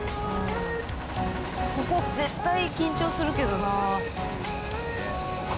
ここ絶対緊張するけどな。